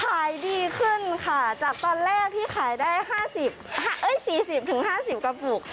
ขายดีขึ้นค่ะจากตอนแรกที่ขายได้๕๐๔๐๕๐กระปุก